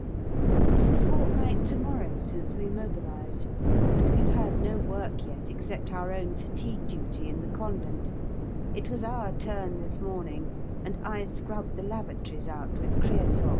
It is a fortnight to morrow since we mobilised, and we have had no work yet except our own fatigue duty in the Convent; it was our turn this morning, and I scrubbed the lavatories out with creosol.